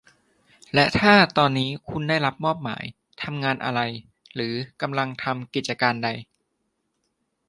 และถ้าตอนนี้คุณได้รับมอบหมายทำงานอะไรหรือกำลังทำกิจการใด